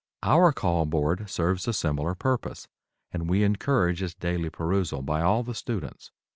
Our Call Board serves a similar purpose, and we encourage its daily perusal by all the students.